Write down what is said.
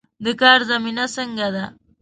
د کار زمینه څنګه ده؟